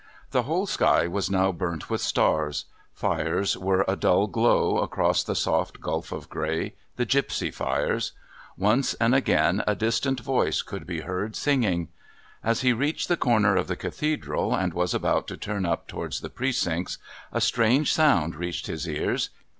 The whole sky now burnt with stars; fires were a dull glow across the soft gulf of grey, the gipsy fires. Once and again a distant voice could be heard singing. As he reached the corner of the Cathedral, and was about to turn up towards the Precincts, a strange sound reached his ears.